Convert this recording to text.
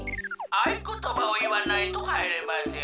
「あいことばをいわないとはいれません」。